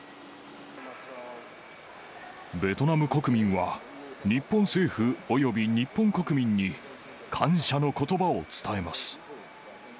ベトナム国民は、日本政府および日本国民に感謝のことばを伝えます。